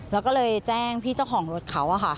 แล้วก็เลยแจ้งพี่เจ้าของรถเขาค่ะ